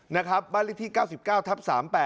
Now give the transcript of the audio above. นะครับบ้านเลขที่๙๙ทับ๓๘